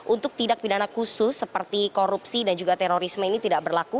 untuk tindak pidana khusus seperti korupsi dan juga terorisme ini tidak berlaku